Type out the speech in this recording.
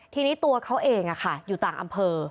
ที่นี้ตัวเค้าเองอะค่ะอยู่ต่างอำเภอ